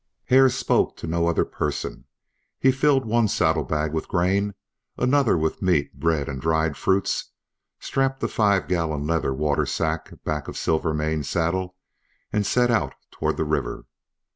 Hare spoke to no other person; he filled one saddle bag with grain, another with meat, bread, and dried fruits, strapped a five gallon leather water sack back of Silvermane's saddle, and set out toward the river.